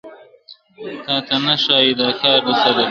تاته نه ښايي دا کار د ساده ګانو !.